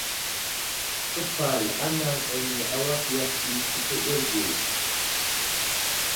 Képal anaŋ ane awak yakw ɗi təpəɗerge.